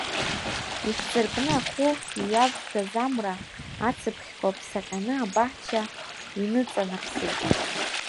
Ихьӡыркны ахәы иҩавшәаз амра ацыԥхьқәа ԥсаҟьаны абаҳча иныҵанаԥсеит.